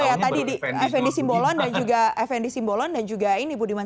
oh ya tadi fndc bolon dan juga fndc bolon dan juga ini budiman